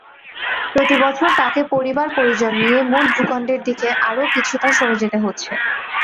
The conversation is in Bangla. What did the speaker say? প্রতিবছর তাঁকে পরিবার-পরিজন নিয়ে মূল ভূখণ্ডের দিকে আরও কিছুটা সরে যেতে হচ্ছে।